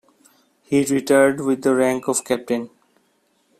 He retired with the rank of captain.